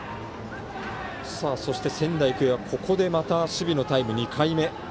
そして仙台育英はここで守備のタイム２回目。